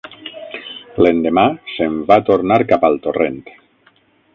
L'endemà se'n va tornar cap al torrent